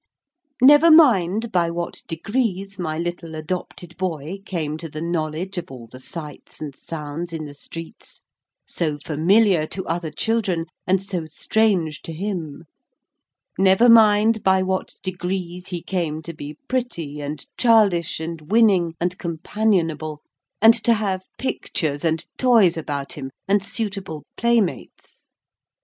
Never mind by what degrees my little adopted boy came to the knowledge of all the sights and sounds in the streets, so familiar to other children and so strange to him; never mind by what degrees he came to be pretty, and childish, and winning, and companionable, and to have pictures and toys about him, and suitable playmates.